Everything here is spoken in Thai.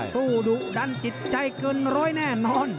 สู้ดุดันจิตใจเกินร้อยแน่นอน